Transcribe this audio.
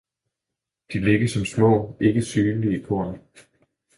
de ligge som smaa ikke synlige Korn.